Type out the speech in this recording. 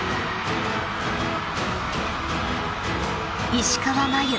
［石川真佑